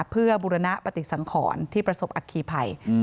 เพื่อบุรณปฏิสังขรที่ประสบอัคคีภัย